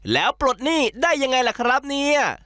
แล้วปลดหนี้ได้ยังไงล่ะครับเนี่ย